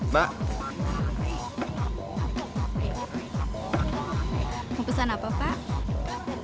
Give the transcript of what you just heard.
mau pesan apa pak